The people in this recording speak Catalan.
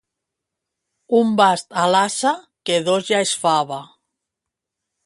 Un bast a l'ase, que dos ja és fava.